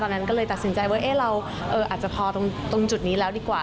นั้นก็เลยตัดสินใจว่าเราอาจจะพอตรงจุดนี้แล้วดีกว่า